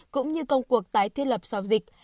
cũng như công cuộc tái thiết lập sau dịch